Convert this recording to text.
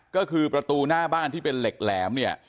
ก็คือประตูหน้าบ้านที่เป็นเหล็กแหลมเนี่ย